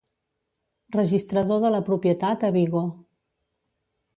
Registrador de la propietat a Vigo.